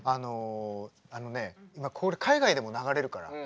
あのねこれ海外でも流れるから。